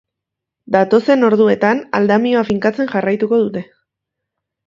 Datozen orduetan aldamioa finkatzen jarraituko dute.